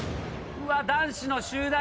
うわっ男子の集団来た。